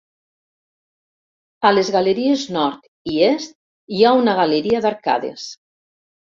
A les galeries nord i est hi ha una galeria d'arcades.